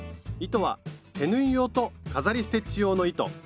糸は手縫い用と飾りステッチ用の糸